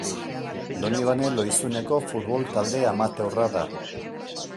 Donibane Lohizuneko futbol talde amateurra da.